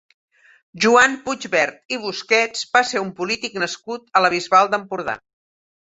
Joan Puigbert i Busquets va ser un polític nascut a la Bisbal d'Empordà.